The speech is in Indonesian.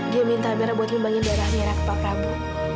dia minta amira buat lembangin darah amira ke pak prabu